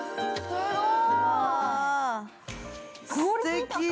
すごい。◆